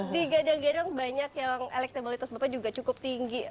di gadang gadang banyak yang elektribulitas bapak juga cukup tinggi